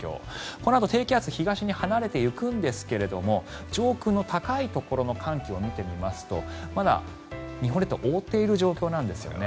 このあと低気圧東に離れていくんですが上空の高いところの寒気を見てみますとまだ日本列島を覆っている状況なんですよね。